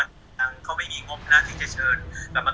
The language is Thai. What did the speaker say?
อย่างฟู้ดบ็อลเขาก็พูดว่า